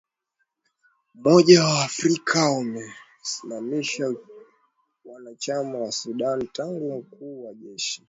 umoja wa afrika umesimamisha uanachama wa Sudan tangu mkuu wa jeshi